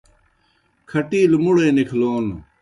کھٹِیلہ مُڑے نِکھلون